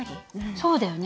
そうだよね